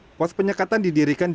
kepolisian kampung jawa barat